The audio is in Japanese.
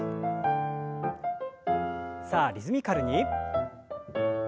さあリズミカルに。